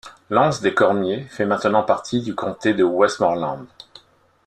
L’Anse-des-Cormier fait maintenant partie du comté de Westmorland.